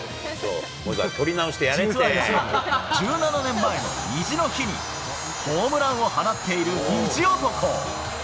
実は由伸、１７年前の虹の日に、ホームランを放っている虹男。